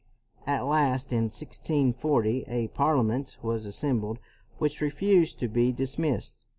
At last, in 1640, a Parliament was as sembled which refused to be dismissed.